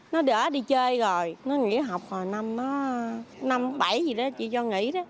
nó đỡ đi chơi rồi nó nghỉ học rồi năm năm bảy gì đó chị cho nghỉ